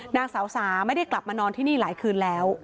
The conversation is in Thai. นางสาวสาไม่ได้กลับมานอนที่นี่หลายคืนแล้ว